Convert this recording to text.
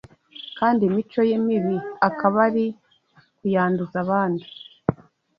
kandi imico ye mibi akaba ari kuyanduza abandi,